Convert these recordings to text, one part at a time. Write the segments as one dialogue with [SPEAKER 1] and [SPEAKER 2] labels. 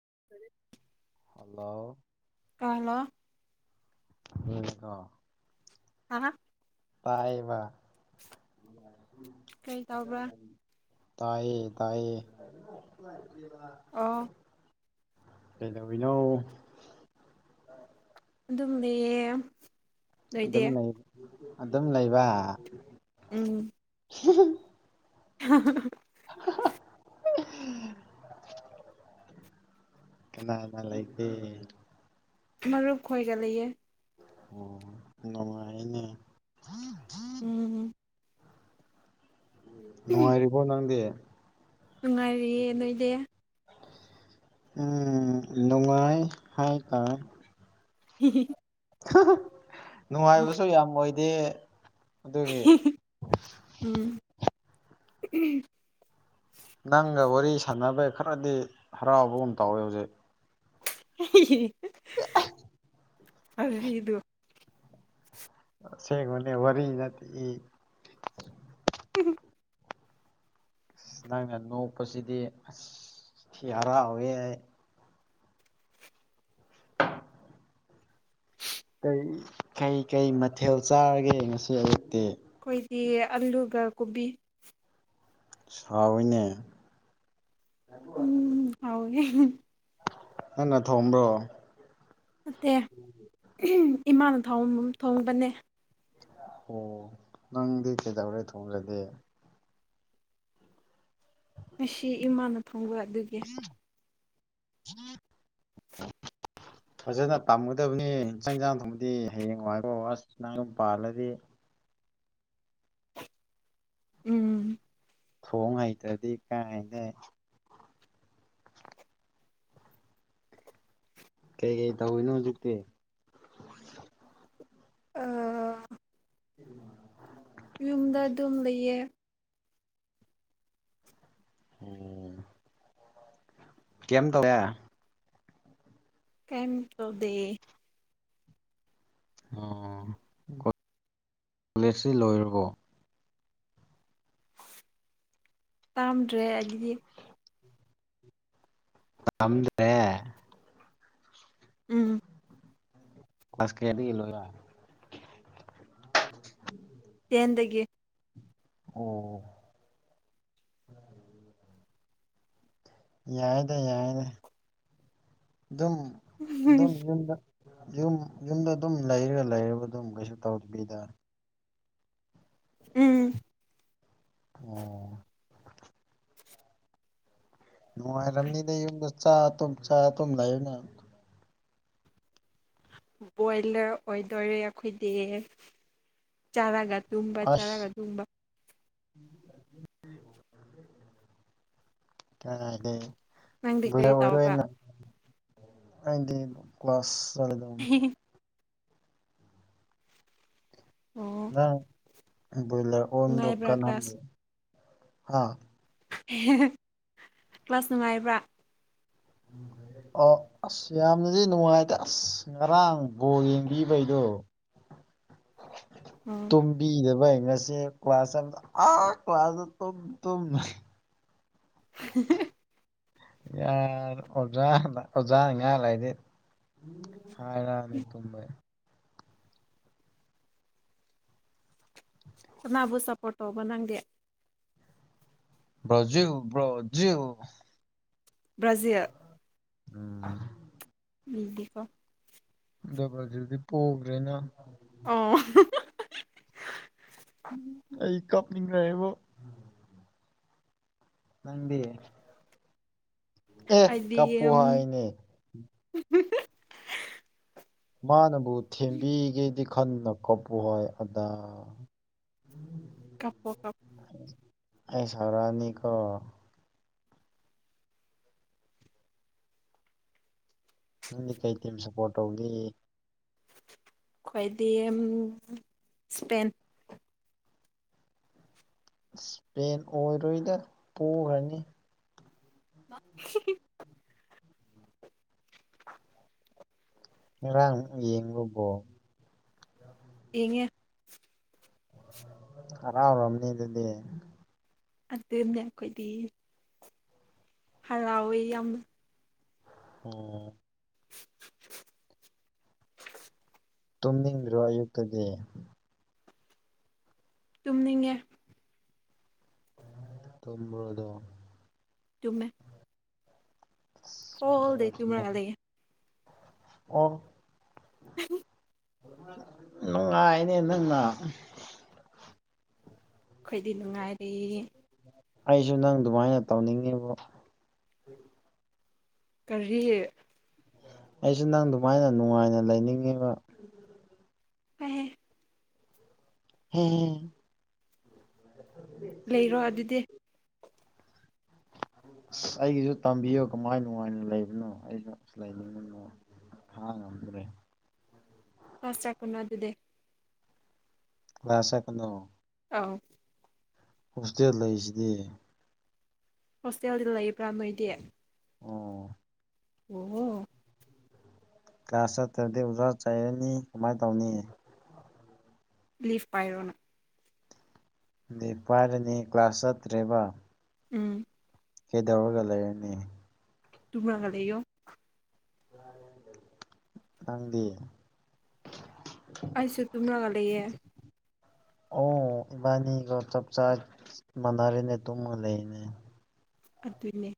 [SPEAKER 1] [inaudible]
[SPEAKER 2] Hello
[SPEAKER 1] hello
[SPEAKER 2] [unintelligible]
[SPEAKER 1] ꯍꯥ ꯍꯥ
[SPEAKER 2] ꯇꯥꯏꯕ
[SPEAKER 1] ꯀꯔꯤ ꯇꯧꯕ꯭ꯔꯥ
[SPEAKER 2] ꯇꯥꯏꯌꯦ ꯇꯥꯏꯌꯦ
[SPEAKER 1] ꯑꯣ
[SPEAKER 2] ꯀꯩꯗꯧꯋꯤꯅꯣ
[SPEAKER 1] ꯑꯗꯨ ꯂꯩꯌꯦ ꯅꯣꯏꯗꯤ
[SPEAKER 2] ꯑꯗꯨꯝ ꯂꯩ ꯑꯗꯨꯝ ꯂꯩꯕ
[SPEAKER 1] ꯎꯝ
[SPEAKER 2] [unintelligible]
[SPEAKER 1] [unintelligible] [unintelligible]
[SPEAKER 2] ꯀꯅꯥꯅꯥ ꯂꯩꯒꯦ
[SPEAKER 1] ꯃꯔꯨꯞ ꯈꯣꯏꯒ ꯂꯩꯌꯦ
[SPEAKER 2] ꯑꯣ ꯅꯨꯉꯥꯢꯌꯦꯅꯦ
[SPEAKER 1] ꯎꯝ
[SPEAKER 2] ꯅꯨꯡꯉꯥꯏꯔꯤꯕꯣ ꯅꯪꯗꯤ
[SPEAKER 1] ꯅꯨꯡꯉꯥꯏꯔꯤꯌꯦ ꯅꯣꯢꯗꯤ
[SPEAKER 2] ꯎꯝ ꯅꯨꯡꯉꯥꯏ ꯍꯥꯏ ꯇꯥꯔꯦ
[SPEAKER 1] ꯍꯤꯍꯤꯍꯤ
[SPEAKER 2] ꯍꯥꯍꯥ ꯅꯨꯡꯉꯥꯏꯕꯁꯨ ꯌꯥꯝ ꯑꯣꯏꯗꯦ ꯑꯗꯨꯒꯤ
[SPEAKER 1] ꯎꯝ [unintelligible]
[SPEAKER 2] ꯅꯪꯒ ꯋꯥꯔꯤ ꯁꯥꯟꯅꯕꯩ ꯈꯔꯗꯤ ꯍꯔꯥꯎꯕꯒꯨꯝ ꯇꯧꯋꯦ ꯍꯨꯖꯤꯛ
[SPEAKER 1] ꯏꯍꯤꯍꯤ [unintelligible]
[SPEAKER 2] ꯑꯁꯦꯡꯕꯅꯦ ꯋꯥꯔꯤ ꯅꯠꯇꯦ ꯏ
[SPEAKER 1] [unintelligible]
[SPEAKER 2] ꯑꯁ ꯅꯪꯅ ꯅꯣꯛꯄꯁꯤꯗꯤ ꯑꯁ ꯊꯤꯍꯥꯔꯥꯎꯋꯦ ꯑꯩ ꯀꯩ ꯀꯩ ꯀꯩ ꯃꯊꯦꯜ ꯆꯥꯔꯒꯦ ꯉꯁꯤ ꯑꯌꯨꯛꯇꯤ
[SPEAKER 1] ꯗꯤ ꯑꯜꯂꯨꯒ ꯀꯣꯕꯤ
[SPEAKER 2] ꯍꯥꯎꯋꯤꯅꯦ
[SPEAKER 1] ꯎꯝ ꯍꯥꯎꯋꯤ
[SPEAKER 2] ꯍꯟꯅ ꯊꯣꯡꯕ꯭ꯔꯣ
[SPEAKER 1] ꯅꯠꯇꯦ ꯏꯃꯥꯅ ꯊꯣꯡ ꯊꯣꯡꯕꯅꯦ
[SPEAKER 2] ꯑꯣ ꯅꯪꯗꯤ ꯀꯩꯗꯧꯔꯦ ꯊꯣꯡꯗ꯭ꯔꯗꯤ
[SPEAKER 1] ꯉꯁꯤ ꯏꯃꯥꯅ ꯇꯣꯡꯕ ꯑꯗꯨꯒꯤ
[SPEAKER 2] [unintelligible]
[SPEAKER 1] [inaudible]
[SPEAKER 2] ꯐꯖꯅ ꯇꯝꯒꯗꯕꯅꯤ ꯆꯥꯛ ꯏꯟꯁꯥꯡ ꯊꯣꯡꯕꯗꯤ ꯍꯌꯦꯡꯋꯥꯢꯕꯥꯎ ꯑꯁ ꯅꯪ ꯌꯨꯝ ꯄꯥꯜꯂꯗꯤ
[SPEAKER 1] ꯎꯝ
[SPEAKER 2] ꯊꯣꯡ ꯍꯩꯇ꯭ꯔꯗꯤ ꯀꯥꯏꯗꯦ ꯀꯩꯀꯩ ꯇꯧꯋꯤꯅꯣ ꯍꯨꯖꯤꯛꯇꯤ
[SPEAKER 1] ꯑꯥ
[SPEAKER 2] [inaudible]
[SPEAKER 1] ꯑꯗꯨꯝ ꯂꯩꯌꯦ
[SPEAKER 2] ꯑꯣ [unintelligible]
[SPEAKER 1] ꯀꯩꯝ ꯇꯧꯗꯦ
[SPEAKER 2] ꯑꯣ ꯀꯣꯂꯦꯁꯇꯤ ꯂꯣꯏꯔꯕꯣ
[SPEAKER 1] ꯂꯥꯝꯗꯔꯦ ꯑꯩꯒꯤꯗꯤ
[SPEAKER 2] [unintelligible]
[SPEAKER 1] ꯎꯝ
[SPEAKER 2] ꯑꯁ ꯀꯦꯗꯤ ꯂꯣꯢꯕ
[SPEAKER 1] ꯑꯦꯟꯗꯒꯤ [unintelligible]
[SPEAKER 2] ꯑꯣ ꯌꯥꯏꯌꯦꯗ ꯌꯥꯏꯌꯦꯗ ꯗꯨꯝ ꯗꯨꯝ
[SPEAKER 1] ꯎꯝ
[SPEAKER 2] ꯌꯨꯝꯗ ꯌꯨꯝ ꯌꯨꯝꯗ ꯑꯗꯨꯝ ꯂꯩꯔ ꯂꯩꯔꯒ ꯑꯗꯨꯝ ꯀꯩꯁꯨ ꯇꯧꯗꯕꯤꯗ ꯑꯣ ꯅꯨꯡꯉꯥꯏꯔꯝꯅꯤꯗ ꯌꯨꯝꯗ ꯆꯥꯔ ꯇꯨꯝ ꯆꯥꯔ ꯇꯨꯝ ꯂꯩꯕꯅ
[SPEAKER 1] ꯕꯣꯏꯂꯔ ꯑꯣꯏꯗꯣꯏꯔꯦ ꯑꯩꯈꯣꯏꯗꯤ ꯆꯥꯔꯒ ꯇꯨꯝꯕ ꯆꯥꯔꯒ ꯇꯨꯨꯝꯕ
[SPEAKER 2] ꯎ [inaudible] ꯀꯗꯥꯏꯗꯒꯤꯅꯣ
[SPEAKER 1] ꯅꯪꯗꯤ
[SPEAKER 2] ꯕꯣꯏꯂꯔ
[SPEAKER 1] ꯀꯔꯤ
[SPEAKER 2] ꯑꯣꯏꯔꯔꯣꯏ
[SPEAKER 1] ꯇꯧꯕ꯭ꯔꯥ
[SPEAKER 2] ꯅꯪ ꯑꯩꯗꯤ ꯀ꯭ꯂꯥꯁ ꯆꯔꯦꯗꯝ
[SPEAKER 1] ꯑꯣ
[SPEAKER 2] ꯅꯪ ꯕꯣꯏꯂꯔ ꯑꯣꯟꯗꯦ
[SPEAKER 1] ꯅꯨꯡꯉꯥꯏꯕ꯭ꯔꯥ
[SPEAKER 2] ꯀꯩꯅꯧ
[SPEAKER 1] ꯀ꯭ꯂꯥꯁ
[SPEAKER 2] [unintelligible] ꯍꯥ
[SPEAKER 1] ꯏ ꯍꯤ ꯍꯤ ꯀ꯭ꯂꯥꯁ ꯅꯨꯡꯉꯥꯏꯕ꯭ꯔꯥ
[SPEAKER 2] ꯑꯣ ꯑꯁ ꯌꯥꯝꯅꯗꯤ ꯅꯨꯡꯉꯥꯏꯗ ꯑꯁ ꯉꯔꯥꯡ ꯕꯣꯜ ꯌꯦꯡꯕꯤꯕꯩꯗꯣ
[SPEAKER 1] [inaudible] ꯑꯣ
[SPEAKER 2] ꯇꯨꯝꯕꯤꯗꯕ ꯑꯩ ꯉꯁꯤ ꯀ꯭ꯂꯥꯁ ꯑꯃꯗ ꯑꯥ ꯀ꯭ꯂꯥꯁꯇ ꯇꯨꯝ ꯇꯨꯝ ꯂꯩ
[SPEAKER 1] ꯍꯤ ꯍꯤꯑꯛ
[SPEAKER 2] ꯌꯥꯔ ꯑꯣꯖꯥ ꯑꯣꯖꯥ ꯉꯥꯡ ꯂꯩꯗꯤ ꯍꯥꯏꯔꯛꯑꯅꯤ ꯇꯨꯝꯕꯩ
[SPEAKER 1] ꯀꯅꯥꯕꯨ ꯁꯄꯣꯠ ꯇꯧꯕ ꯅꯪꯗꯤ
[SPEAKER 2] ꯭ꯕ꯭ꯔꯥꯖꯤꯜ ꯕ꯭ꯔꯥꯖꯤꯜ
[SPEAKER 1] ꯕ꯭ꯔꯥꯖꯤꯜ
[SPEAKER 2] ꯎꯝ
[SPEAKER 1] ꯎꯏꯗꯑꯦꯀꯣ
[SPEAKER 2] ꯑꯗꯣ ꯕ꯭ꯔꯥꯖꯤꯜꯗꯤ ꯄꯣꯒꯔ꯭ꯦꯅ
[SPEAKER 1] ꯑꯣ
[SPEAKER 2] ꯀꯞ ꯅꯤꯡꯔꯛꯔꯦꯕꯨ ꯅꯪꯗꯤ ꯑꯦ
[SPEAKER 1] ꯑꯩꯗꯤ
[SPEAKER 2] ꯀꯞꯄꯨ ꯍꯥꯏꯅꯦ ꯃꯥꯅꯕꯨ ꯊꯦꯝꯕꯤꯒꯦꯗꯤ ꯈꯟꯗꯅ ꯀꯞꯄꯨ ꯍꯥꯏ ꯑꯥꯗ
[SPEAKER 1] ꯀꯞꯄꯣ ꯀꯞꯄꯣ
[SPEAKER 2] ꯑꯩ ꯁꯥꯎꯔꯛꯑꯅꯤꯀꯣ ꯅꯪꯗꯤ ꯀꯩ ꯇꯤꯝ ꯁꯞꯄꯣꯔꯠ ꯇꯧꯒꯦ
[SPEAKER 1] ꯈ꯭ꯣꯏꯗꯤ ꯑꯝ ꯏꯁꯄꯦꯟ
[SPEAKER 2] ꯏꯁꯄꯦꯟ ꯑꯣꯏꯔꯣꯏꯗ ꯄꯣꯈ꯭ꯔꯅꯤ
[SPEAKER 1] ꯃꯥ ꯍꯤꯍꯤ
[SPEAKER 2] ꯉꯔꯥꯡ ꯌꯦꯡꯕꯣ ꯕꯣꯜ
[SPEAKER 1] ꯌꯦꯡꯉꯦ
[SPEAKER 2] ꯍꯥꯔꯥꯎꯔꯝꯅꯤ ꯑꯗꯨꯗꯤ
[SPEAKER 1] ꯑꯗꯨꯅꯦ ꯑꯩꯈꯣꯏꯗꯤ ꯍꯔꯥꯎꯑꯦ ꯌꯥꯝ
[SPEAKER 2] ꯎꯝ ꯇꯨꯝꯅꯤꯡꯗ꯭ꯔꯣ ꯑꯌꯨꯛꯇꯗꯤ
[SPEAKER 1] ꯇꯨꯝꯅꯤꯡꯉꯦ
[SPEAKER 2] ꯇꯨꯝꯕ꯭ꯔꯣ ꯑꯗꯣ
[SPEAKER 1] ꯇꯨꯝꯃꯦ
[SPEAKER 2] ꯑꯁ ꯐꯖꯅ
[SPEAKER 1] ꯍꯣꯍꯣꯜꯗꯩꯩ
[SPEAKER 2] ꯇꯨꯝꯃꯣ
[SPEAKER 1] ꯇꯨꯝꯃꯥꯒ ꯂꯩꯌꯦ
[SPEAKER 2] ꯑꯣ ꯅꯨꯡꯉꯥꯏꯅꯦ ꯅꯪꯅ
[SPEAKER 1] ꯈꯣꯏꯗꯤ ꯅꯨꯡꯉꯥꯏꯔꯦ
[SPEAKER 2] ꯑꯩꯖꯨ ꯅꯪ ꯗꯨꯃꯥꯏꯅ ꯇꯧꯅꯤꯡꯉꯤꯕꯣ
[SPEAKER 1] ꯀꯔꯤ
[SPEAKER 2] ꯑꯩꯖꯨ ꯅꯪ ꯗꯨꯃꯥꯏꯅ ꯅꯨꯡꯉꯥꯏꯅ ꯂꯩꯅꯤꯡꯉꯤꯕ
[SPEAKER 1] ꯍꯣꯏ ꯍꯦ
[SPEAKER 2] ꯍꯦ ꯍꯦ
[SPEAKER 1] ꯂꯩꯔꯣ ꯑꯗꯨꯗꯤ
[SPEAKER 2] ꯑꯁ ꯑꯩꯒꯤꯖꯨ ꯇꯝꯕꯤꯌꯨ ꯀꯃꯥꯏ ꯅꯨꯡꯉꯥꯏꯅ ꯂꯩꯕꯅꯣ ꯑꯩꯁꯨ ꯂꯩꯅꯤꯡꯕꯅ ꯈꯥꯡ ꯉꯝꯗ꯭ꯔꯦ
[SPEAKER 1] ꯑꯁ ꯆꯥꯏꯀꯨꯅꯣ ꯑꯗꯨꯗꯤ
[SPEAKER 2] [inaudible]
[SPEAKER 1] ꯑꯥꯎ
[SPEAKER 2] ꯍꯣꯁꯇꯦꯜ ꯂꯩꯖꯤꯗꯤ
[SPEAKER 1] ꯍꯣꯁꯇꯦꯜꯗ ꯂꯩꯕ꯭ꯔꯥ ꯅꯣꯏꯗꯤ
[SPEAKER 2] ꯑꯣ
[SPEAKER 1] ꯑꯣ ꯑꯣ
[SPEAKER 2] ꯀ꯭ꯂꯥꯁ ꯆꯠꯇ꯭ꯔꯗꯤ ꯑꯣꯖꯥ ꯆꯩꯥꯔꯅꯤ ꯀꯃꯥꯏ ꯇꯧꯅꯤ
[SPEAKER 1] ꯂꯤꯞ ꯄꯥꯏꯔꯣꯅ
[SPEAKER 2] ꯂꯤꯞ ꯄꯥꯏꯔꯅꯤ ꯀ꯭ꯂꯥꯁ ꯆꯠꯇ꯭ꯔꯦꯕ
[SPEAKER 1] ꯎꯝ
[SPEAKER 2] ꯀꯩꯗꯧꯔ ꯂꯩꯔꯅꯤ
[SPEAKER 1] ꯇꯨꯝꯔꯒ ꯂꯩꯌꯣ
[SPEAKER 2] ꯅꯪꯗꯤ
[SPEAKER 1] ꯑꯩꯁꯨ ꯇꯨꯝꯔꯒ ꯂꯩꯌꯦ
[SPEAKER 2] ꯑꯣ ꯏꯕꯅꯤꯗꯣ ꯆꯞ ꯆꯥꯏ ꯃꯥꯟꯅꯔꯦꯅꯦ ꯇꯨꯝꯃꯒ ꯂꯩꯅꯦ
[SPEAKER 1] ꯑꯗꯨꯅꯦ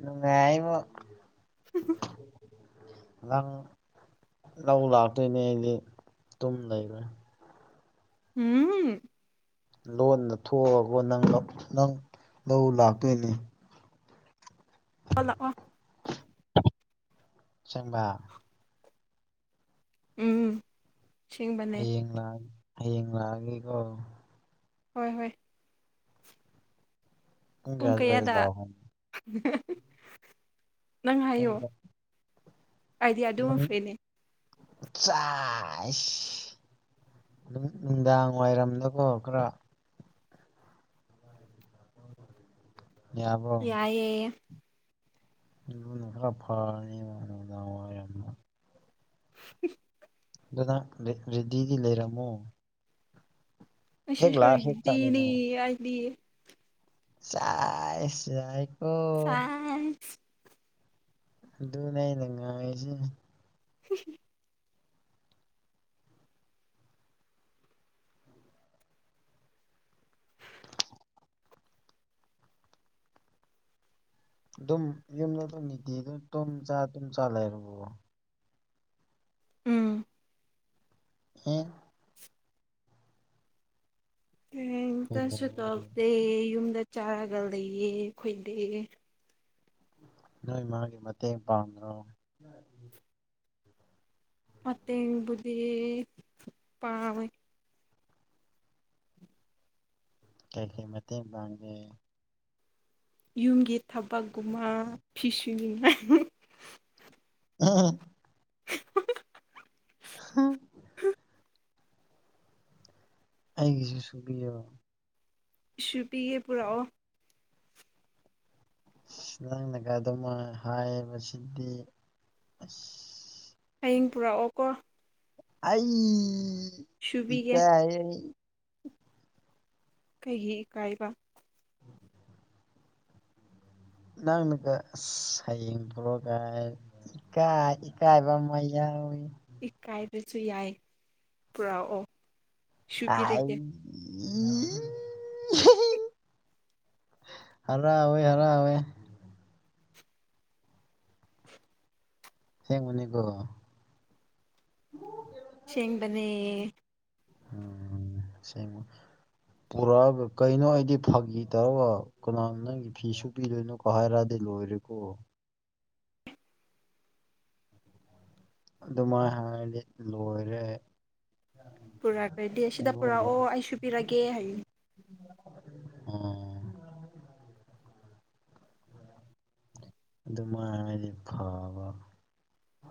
[SPEAKER 2] ꯅꯨꯡꯉꯥꯢꯃꯣ
[SPEAKER 1] [unintelligible]
[SPEAKER 2] ꯅꯪ ꯂꯧ ꯂꯥꯛꯇꯣꯏꯅꯦ ꯑꯩꯗꯤ ꯇꯨꯝ ꯂꯩꯔꯣꯏ
[SPEAKER 1] ꯎꯝ
[SPEAKER 2] ꯂꯣꯟꯅ ꯊꯣꯛꯑꯕꯣ ꯅꯪ ꯂꯧ ꯅꯪ ꯂꯧ ꯂꯥꯛꯇꯣꯏꯅꯦ
[SPEAKER 1] ꯂꯥꯛꯑꯣ ꯂꯥꯛꯑꯣ
[SPEAKER 2] ꯁꯦꯡꯕ
[SPEAKER 1] ꯎꯝ ꯁꯦꯡꯕꯅꯦ
[SPEAKER 2] ꯍꯌꯦꯡ ꯂꯥꯛ ꯍꯌꯦꯡ ꯂꯥꯛꯑꯒꯦꯀꯣ
[SPEAKER 1] ꯍꯣꯏ ꯍꯣꯏ ꯄꯨꯡ
[SPEAKER 2] ꯀꯌꯥ ꯑꯗꯨꯋꯥꯏꯗ
[SPEAKER 1] ꯀꯌꯥꯗ
[SPEAKER 2] ꯂꯥꯛꯑꯣ
[SPEAKER 1] ꯅꯪ ꯍꯥꯏꯌꯣ
[SPEAKER 2] ꯄꯨꯡ
[SPEAKER 1] ꯑꯩꯗꯤ ꯑꯗꯨꯃ ꯐꯔꯤꯅꯤ
[SPEAKER 2] ꯆꯥꯏꯁ ꯑꯗꯨꯝ ꯅꯨꯡꯗꯥꯡ ꯋꯥꯏꯔꯝꯗꯀꯣ ꯈꯔ ꯌꯥꯕ꯭ꯔꯣ
[SPEAKER 1] ꯌꯥꯏꯌꯦ
[SPEAKER 2] ꯑꯗꯨ ꯈꯔ ꯐꯥꯅꯤꯕ ꯅꯨꯡꯗꯥꯡꯋꯥꯢ ꯔꯝ
[SPEAKER 1] [unintelligible]
[SPEAKER 2] ꯑꯗꯣ ꯅꯪ ꯔꯦ ꯔꯦꯗꯤꯗꯤ ꯂꯩꯔꯝꯃꯣ ꯍꯦꯛ ꯂꯥꯛꯑ ꯍꯦꯛ ꯆꯠꯂꯣ
[SPEAKER 1] [unintelligible]
[SPEAKER 2] ꯆꯥꯏꯁ
[SPEAKER 1] ꯆꯥꯏꯁ
[SPEAKER 2] ꯑꯗꯨꯅꯦ ꯑꯩꯅ ꯉꯥꯏꯔꯤꯁꯦ
[SPEAKER 1] [unintelligible]
[SPEAKER 2] ꯑꯗꯨꯝ ꯌꯨꯝꯗ ꯑꯗꯨꯝ ꯅꯤꯇꯤ ꯑꯗꯨꯨꯝ ꯇꯨꯝ ꯆꯥ ꯇꯨꯝ ꯆꯥ ꯂꯩꯔꯕꯣ
[SPEAKER 1] ꯎꯝ
[SPEAKER 2] ꯍꯦ
[SPEAKER 1] ꯀꯔꯤꯝꯇꯁꯨ
[SPEAKER 2] ꯀꯩꯗꯧꯔꯒꯦ?
[SPEAKER 1] ꯇꯧꯔꯇꯦ ꯌꯨꯝꯗ ꯆꯥꯔꯒ ꯂꯩꯌꯦ ꯈꯣꯏꯗꯤ
[SPEAKER 2] ꯅꯣꯏ ꯃꯥꯒꯤ ꯃꯇꯦꯡ ꯄꯥꯡꯗ꯭ꯔꯣ
[SPEAKER 1] ꯃꯥꯇꯦꯡꯕꯩꯗꯤ ꯄꯥꯡ
[SPEAKER 2] ꯀꯩ ꯀꯩ ꯃꯇꯦꯡ ꯄꯥꯡꯒꯦ
[SPEAKER 1] ꯌꯨꯝꯒꯤ ꯊꯕꯛꯀꯨꯝꯕ ꯐꯤꯁꯨꯅꯤꯡꯉꯥꯏ
[SPEAKER 2] ꯑ [unintelligible] ꯍ ꯑꯩꯒꯤꯁꯨ ꯁꯨꯕꯤꯌꯣ
[SPEAKER 1] ꯁꯨꯕꯤꯒꯦ ꯄꯨꯔꯛꯑꯣ
[SPEAKER 2] ꯅꯪꯅꯒꯥ ꯑꯗꯨꯃꯥꯏ ꯍꯥꯏꯕꯁꯤꯗꯤ ꯑꯁ
[SPEAKER 1] ꯍꯌꯦꯡ ꯄꯨꯔꯛꯑꯣ ꯀꯣ
[SPEAKER 2] ꯑꯩ
[SPEAKER 1] ꯁꯨꯕꯤꯒꯦ
[SPEAKER 2] ꯏꯀꯥꯏꯌꯦ
[SPEAKER 1] ꯀꯩꯒꯤ ꯏꯀꯥꯏꯕ
[SPEAKER 2] ꯅꯪꯅꯒ ꯑꯁ ꯍꯌꯦꯡ ꯄꯨꯔꯒ ꯏꯀꯥꯏ ꯏꯀꯥꯏꯕ ꯑꯃ ꯌꯥꯎꯋꯤ
[SPEAKER 1] ꯏꯀꯥꯏꯕꯖꯨ ꯌꯥꯏ ꯄꯨꯔꯛꯑꯣ
[SPEAKER 2] ꯑꯥꯏ
[SPEAKER 1] ꯁꯨꯕꯤꯔꯒꯦ [inaudible]
[SPEAKER 2] ꯍꯔꯥꯎꯋꯦ ꯍꯔꯥꯎꯋꯦ ꯑꯁꯦꯡꯕꯅꯤꯀꯣ
[SPEAKER 1] ꯁꯦꯡꯕꯅꯦ
[SPEAKER 2] ꯁꯦꯡꯕꯅꯦ ꯄꯨꯔꯛꯑꯒ ꯀꯩꯅꯣ ꯑꯩꯗꯤ ꯐꯥꯈꯤ ꯇꯧꯔꯒ ꯀꯅꯥ ꯅꯪꯒꯤ ꯐꯤꯁꯨꯕꯤꯗꯣꯏꯅꯣꯀ ꯍꯥꯏꯔꯛꯑꯗꯤ ꯂꯣꯏꯔꯦꯀꯣ ꯑꯗꯨꯃꯥꯏ ꯍꯥꯏꯔꯗꯤ ꯂꯣꯏꯔꯦ
[SPEAKER 1] ꯄꯨꯔꯛꯂꯗꯤ ꯑꯁꯤꯗ
[SPEAKER 2] ꯄꯨꯡꯂꯣꯏꯗ
[SPEAKER 1] ꯄꯨꯔꯛꯑꯣ ꯑꯩ ꯁꯨꯕꯤꯔꯒꯦ ꯍꯌꯦꯡ
[SPEAKER 2] ꯑꯣ ꯑꯗꯨꯃꯥꯏ ꯍꯥꯏꯔꯗꯤ ꯐꯕ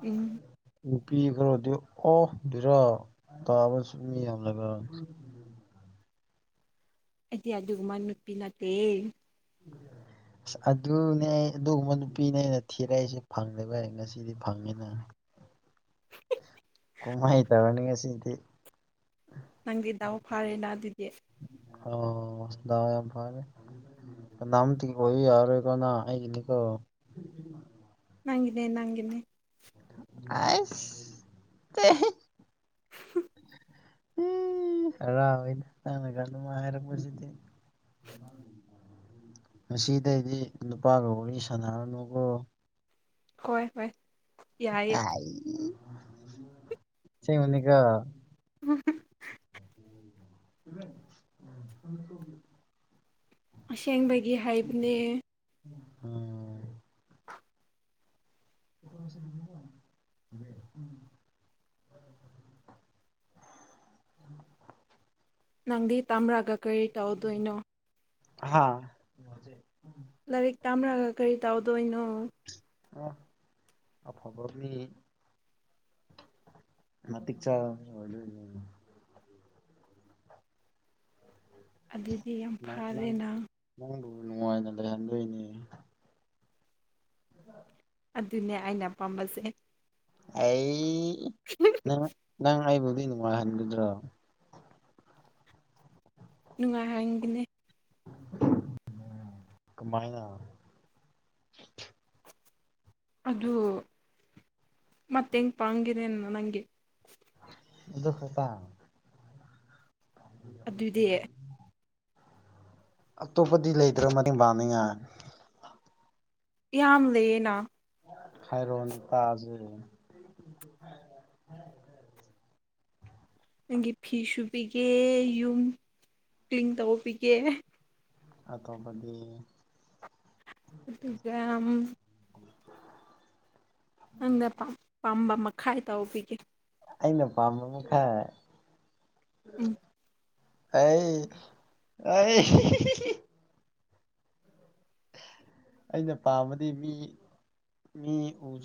[SPEAKER 1] ꯎꯝ
[SPEAKER 2] ꯄꯤꯈ꯭ꯔꯣꯗꯤ ꯑꯣ [unintelligible] ꯔꯥ ꯇꯥꯕꯁꯨ ꯃꯤ ꯌꯥꯝꯅ
[SPEAKER 1] ꯑꯩꯗꯤ ꯑꯗꯨꯒꯨꯃꯥꯏ ꯅꯨꯄꯤ ꯅꯠꯇꯦ
[SPEAKER 2] ꯑꯁ ꯑꯗꯨꯅꯦ ꯑꯩ ꯑꯗꯨꯒꯨꯝꯕ ꯅꯨꯄꯤꯅꯦ ꯑꯩꯅ ꯊꯤꯔꯛꯏꯁꯦ ꯐꯪꯗꯕꯩ ꯉꯁꯤꯗꯤ ꯐꯪꯉꯦꯅ ꯀꯃꯥꯏ ꯇꯧꯔꯅꯤ ꯉꯁꯤꯗꯤ
[SPEAKER 1] ꯅꯪꯗꯤ ꯗꯥꯎ ꯐꯥꯔꯦꯅ ꯑꯗꯨꯗꯤ
[SPEAKER 2] ꯑꯣ ꯗꯥꯎ ꯌꯥꯝ ꯐꯔꯦ ꯀꯥꯅꯥꯝꯇꯒꯤ ꯑꯣꯏꯕ ꯌꯥꯔꯔꯣꯏꯀꯣ ꯅꯪ ꯑꯩꯒꯤꯅꯤꯀꯣ
[SPEAKER 1] ꯅꯪꯒꯤꯅꯦ ꯅꯪꯒꯤꯅꯦ
[SPEAKER 2] ꯑ꯭ꯁ [unintelligible] ꯎꯝ ꯍꯔꯥꯎꯋꯦ ꯅꯪꯅꯒ ꯑꯗꯨꯃꯥꯏ ꯍꯥꯏꯔꯛꯄꯁꯤꯗꯤ
[SPEAKER 1] [inaudible]
[SPEAKER 2] ꯉꯁꯤꯗꯩꯗꯤ ꯅꯨꯄꯥꯒ ꯋꯥꯔꯤ ꯁꯥꯟꯅꯔꯅꯨꯀꯣ
[SPEAKER 1] ꯍꯣꯏ ꯍꯣꯏ ꯌꯥꯏꯌꯦ
[SPEAKER 2] ꯁꯦꯡꯕꯅꯤꯀꯣ
[SPEAKER 1] [unintelligible]
[SPEAKER 2] [inaudible]
[SPEAKER 1] ꯑꯁꯦꯡꯕꯒꯤ ꯍꯥꯏꯕꯅꯦ
[SPEAKER 2] ꯎꯝ [inaudible] ꯝ [inaudible]
[SPEAKER 1] ꯅꯪꯗꯤ ꯇꯝꯔꯒ ꯀꯔꯤ ꯇꯧꯗꯣꯏꯅꯣ
[SPEAKER 2] ꯍꯥꯥ
[SPEAKER 1] ꯂꯥꯏꯔꯤꯛ ꯇꯥꯝꯔꯒ ꯀꯔꯤ ꯇꯧꯗꯣꯏꯅꯣ
[SPEAKER 2] ꯑ ꯑꯐꯕ ꯃꯤ ꯃꯇꯤꯛ ꯆꯥꯕ ꯃꯤ ꯑꯣꯢꯗꯣꯢꯅꯦ
[SPEAKER 1] ꯑꯗꯨꯗꯤ ꯌꯥꯝ
[SPEAKER 2] ꯅꯪ ꯅꯪ
[SPEAKER 1] ꯐꯔꯦꯅ
[SPEAKER 2] ꯅꯪꯕꯨ ꯅꯨꯡꯉꯥꯏꯅ ꯂꯩꯍꯟꯗꯣꯏꯅꯦ
[SPEAKER 1] ꯑꯗꯨꯅꯦ ꯑꯩꯅ ꯄꯥꯝꯕꯁꯦ
[SPEAKER 2] ꯑꯩ ꯅꯪ ꯅꯪ ꯑꯩꯥꯕꯨ ꯗꯤ ꯅꯨꯡꯉꯥꯏ ꯍꯟꯒꯗ꯭ꯔꯣ
[SPEAKER 1] ꯅꯨꯡꯉꯥꯏꯍꯟꯒꯅꯤ
[SPEAKER 2] ꯀꯃꯥꯏꯅ
[SPEAKER 1] ꯑꯗꯨ ꯃꯇꯦꯡ ꯄꯥꯡꯒꯦꯅꯦ ꯅꯪꯒꯤ
[SPEAKER 2] ꯑꯗꯨ ꯈꯠꯇ
[SPEAKER 1] ꯑꯗꯨꯗꯤ
[SPEAKER 2] ꯑꯇꯣꯞꯄꯗꯤ ꯂꯩꯇ꯭ꯔ ꯃꯇꯦꯡ ꯄꯥꯡꯅꯤꯡꯉꯥꯏ
[SPEAKER 1] ꯌꯥꯝ ꯂꯩꯌꯦꯅ
[SPEAKER 2] ꯍꯥꯏꯔꯣꯅꯦ ꯇꯥꯖꯦ
[SPEAKER 1] ꯅꯪꯒꯤ ꯐꯤ ꯁꯨꯕꯤꯒꯦ ꯌꯨꯝ ꯀ꯭ꯂꯤꯟ ꯇꯧꯕꯤꯒꯦ
[SPEAKER 2] ꯑꯇꯣꯞꯄꯗꯤ
[SPEAKER 1] ꯑꯗꯨꯒ ꯑꯝ ꯅꯪꯅ ꯄꯥꯝꯕ ꯃꯈꯥꯏ ꯇꯧꯕꯤꯒꯦ
[SPEAKER 2] ꯑꯩꯅ ꯄꯥꯝꯕ ꯃꯈꯥꯏ
[SPEAKER 1] ꯎꯝ
[SPEAKER 2] ꯍꯩ ꯍꯩ ꯑꯩꯅ ꯄꯥꯝꯕꯗꯤ ꯃꯤ ꯃꯤ ꯎꯖꯨ